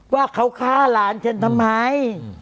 ว่าเขาฆ่าหลานฉันทำไม